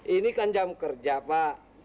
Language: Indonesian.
ini kan jam kerja pak